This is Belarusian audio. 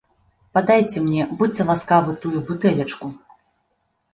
Падайце мне, будзьце ласкавы, тую бутэлечку.